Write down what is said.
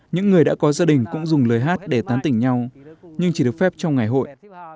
những người đã có gia đình cũng dùng lời hát để tán tỉnh nhau nhưng chỉ được phép trong ngày hội